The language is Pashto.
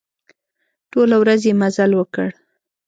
ټوله ورځ يې مزل وکړ.